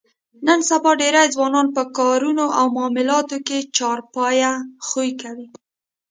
د نن سبا ډېری ځوانان په کارونو او معاملاتو کې چارپایه خوی کوي.